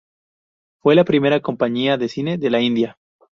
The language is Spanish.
Fue la primera compañía de cine de la India.